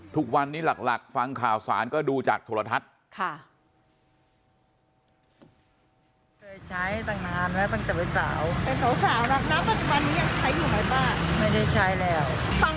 ทุกวันนี้หลักฟังข่าวสารก็ดูจากโทรทัศน์